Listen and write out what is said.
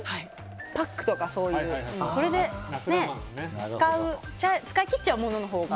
パックとかそういう使い切っちゃうもののほうが。